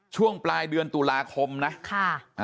ช่วงปลายเดือนตุลาคมนะค่ะ